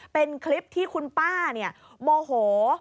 เป็นคลิปที่คุณป้าโมโห